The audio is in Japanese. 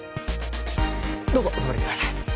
どうぞお座り下さい。